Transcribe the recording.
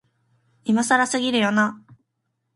今更すぎるよな、